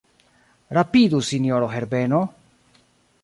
Rapidu, sinjoro Herbeno.